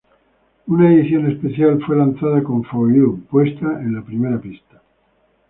Una edición especial fue lanzada con "For You" puesta en la primera pista.